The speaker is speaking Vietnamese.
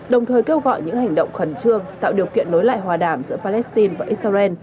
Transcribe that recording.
đồng thời kêu gọi những hành động khẩn trương tạo điều kiện nối lại hòa đàm giữa palestine và israel